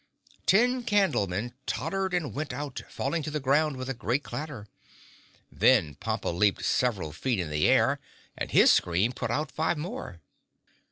Ten Candlemen tottered and went out, falling to the ground with a great clatter. Then Pompa leaped several feet in the air and his scream put out five more.